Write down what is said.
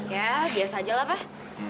ya biasa aja lah pak